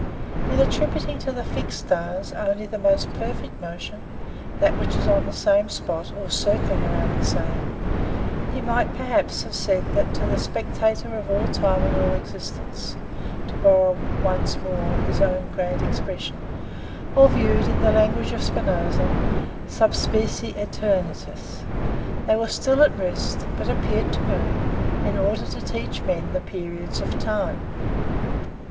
In attributing to the fixed stars only the most perfect motion—that which is on the same spot or circulating around the same—he might perhaps have said that to 'the spectator of all time and all existence,' to borrow once more his own grand expression, or viewed, in the language of Spinoza, 'sub specie aeternitatis,' they were still at rest, but appeared to move in order to teach men the periods of time.